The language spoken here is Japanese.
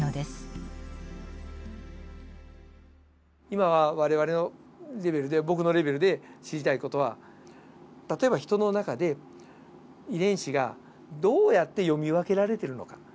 今我々のレベルで僕のレベルで知りたい事は例えばヒトの中で遺伝子がどうやって読み分けられてるのか。